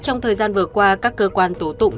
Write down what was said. trong thời gian vừa qua các cơ quan tổ tụng